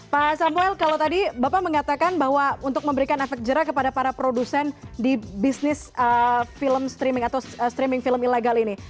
pak samuel kalau tadi bapak mengatakan bahwa untuk memberikan efek jerak kepada para produsen di bisnis film streaming atau streaming film ilegal ini